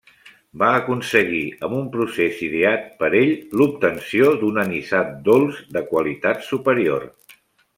Va aconseguir, amb un procés ideat per ell, l'obtenció d’un anisat dolç de qualitat superior.